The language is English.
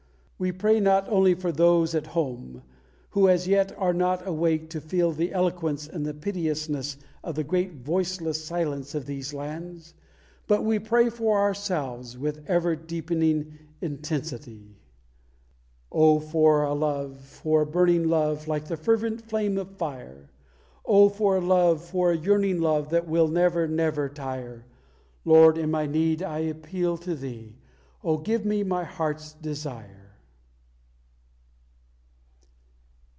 We pray not only for those at home, who as yet are not awake to feel the eloquence and the piteousness of the great "voiceless silence" of these lands, but we pray for ourselves with ever deepening intensity: Oh for a love, for a burning love, like the fervent flame of fire! Oh for a love, for a yearning love, that will never, never tire! Lord, in my need I appeal unto Thee; Oh, give me my heart's desire!